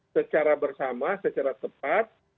secara bersama secara tepat